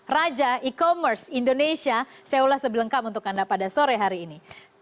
raja e commerce indonesia saya ulas sebelengkap untuk anda pada sore hari ini